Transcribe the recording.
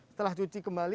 setelah cuci kembali